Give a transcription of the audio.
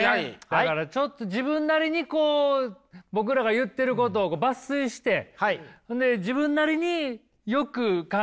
だからちょっと自分なりにこう僕らが言ってることを抜粋してほんで自分なりによく考えて。